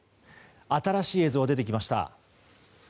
新しい映像が出てきました。